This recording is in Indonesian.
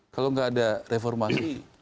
kalau nggak ada reformasi